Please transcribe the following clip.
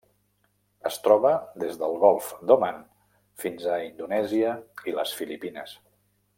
Es troba des del Golf d'Oman fins a Indonèsia i les Filipines.